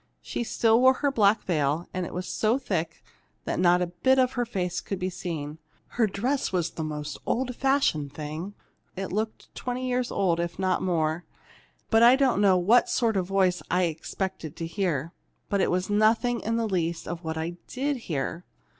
She still wore her black veil, and it was so thick that not a bit of her face could be seen. Her dress was the most old fashioned thing it looked twenty years old, if not more. I don't know what sort of a voice I had expected to hear, but it was nothing in the least like what I did hear.